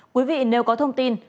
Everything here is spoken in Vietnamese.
quý vị nếu có thông tin